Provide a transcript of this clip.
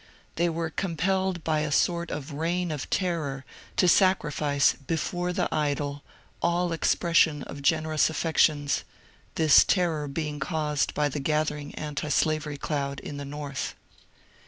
They were com pelled by a sort of reign of terror to sacrifice before the idol all expression of generous affections, — this terror being caused by the gathering antislavery cloud in the North.